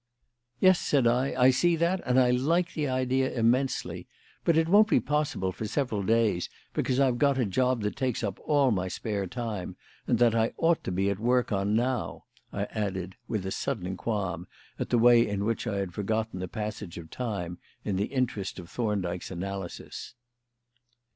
"Yes," said I, "I see that, and I like the idea immensely. But it won't be possible for several days, because I've got a job that takes up all my spare time and that I ought to be at work on now," I added, with a sudden qualm at the way in which I had forgotten the passage of time in the interest of Thorndyke's analysis.